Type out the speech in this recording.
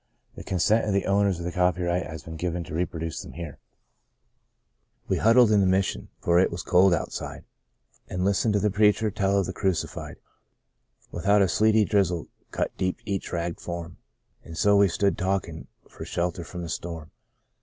The consent of the owners of the copyright has been given to reproduce them here :" We huddled in the Mission, for it was cold out side, An' listened to the preacher tell of the Crucified ; Without, a sleety drizzle cut deep each ragged form, And so we stood the talkin' for shelter from the storm.